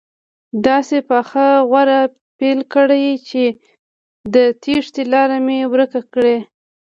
داسې پخه غوره پیل کړي چې د تېښتې لاره مې ورکه کړي.